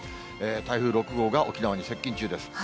台風６号が沖縄に接近中です。